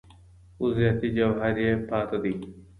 خو ذاتي جوهر یې پاته دی